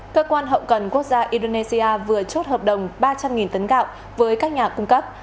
cơ quan hậu cần quốc gia indonesia vừa chốt hợp đồng ba trăm linh tấn gạo với các nhà cung cấp